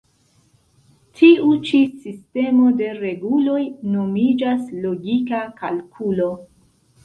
Tiu ĉi sistemo de reguloj nomiĝas logika kalkulo.